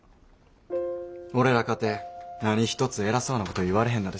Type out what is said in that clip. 俺らかて何一つ偉そうなこと言われへんのです。